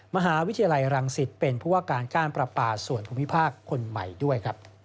มหาวิทยาลัยรังสิทธิ์เป็นพวกการก้านปรับป่าส่วนภูมิภาคคนใหม่ด้วย